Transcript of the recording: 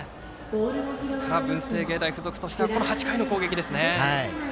文星芸大付属としてはこの８回の攻撃ですね。